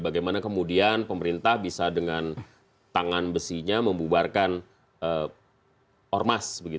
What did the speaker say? bagaimana kemudian pemerintah bisa dengan tangan besinya membubarkan ormas